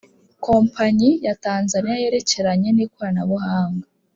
kompanyi ya Tanzaniya yerekeranye n’ikorabuhanga.